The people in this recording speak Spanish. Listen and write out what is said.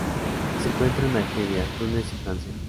Se encuentra en Argelia, Túnez y Francia.